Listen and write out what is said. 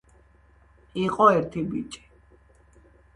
იყო ერთი ბიჭი